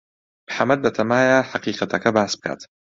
محەمەد بەتەمایە حەقیقەتەکە باس بکات.